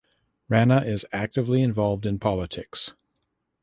Rana is actively involved in Politics.